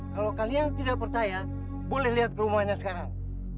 kalau kalian tidak percaya boleh lihat ke rumahnya sekarang